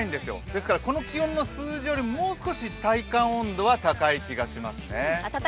ですからこの気温の数字よりもう少し体感温度は高い気がしますね。